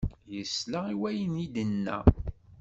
Yesla i wayen i d-tenna.